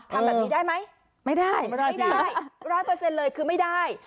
ทำแบบนี้ได้ไหมไม่ได้ไม่ได้ร้อยเปอร์เซ็นต์เลยคือไม่ได้